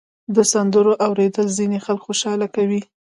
د سندرو اورېدل ځینې خلک خوشحاله کوي.